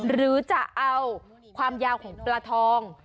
หรือจะเอาความยาวของปลาทอง